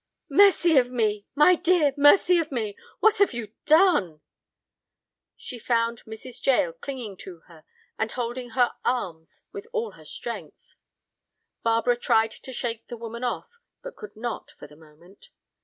"Mercy of me, my dear, mercy of me, what have you done?" She found Mrs. Jael clinging to her and holding her arms with all her strength. Barbara tried to shake the woman off, but could not for the moment.